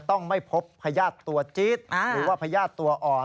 ต้องไม่พบพญาติตัวจี๊ดหรือว่าพญาติตัวอ่อน